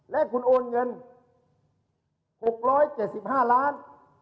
และคุณโอนเงิน๖๗๕ล้าน